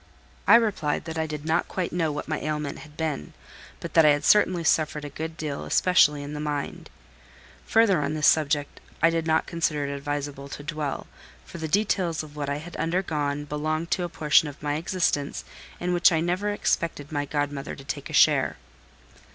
I replied that I did not quite know what my ailment had been, but that I had certainly suffered a good deal especially in mind. Further, on this subject, I did not consider it advisable to dwell, for the details of what I had undergone belonged to a portion of my existence in which I never expected my godmother to take a share.